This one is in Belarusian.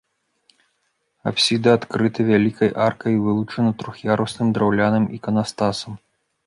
Апсіда адкрыта вялікай аркай і вылучана трох'ярусным драўляным іканастасам.